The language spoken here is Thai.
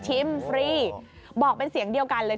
ฟรีบอกเป็นเสียงเดียวกันเลย